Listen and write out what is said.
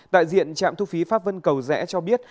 đại diện trạm thu phí pháp vân cầu rẽ cho biết